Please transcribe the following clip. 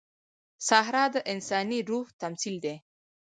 صحرا د انساني روح تمثیل دی.